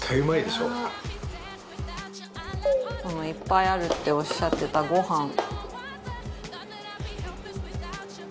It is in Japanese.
いっぱいあるっておっしゃってたご飯。